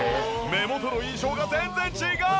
目元の印象が全然違う！